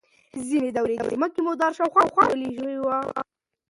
ځینې دوړې د ځمکې مدار شاوخوا نیول شوې وي.